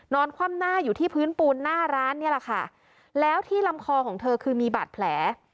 คว่ำหน้าอยู่ที่พื้นปูนหน้าร้านนี่แหละค่ะแล้วที่ลำคอของเธอคือมีบาดแผล